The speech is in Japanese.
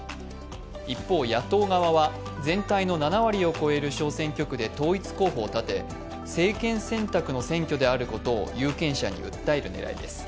一方、野党側は全体の７割を超える小選挙区で統一候補を立て、政権選択の選挙であることを有権者に訴える狙いです。